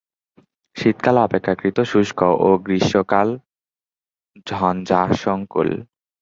শীতকাল অপেক্ষাকৃত শুষ্ক ও গ্রীষ্মকাল ঝঞ্ঝাসঙ্কুল।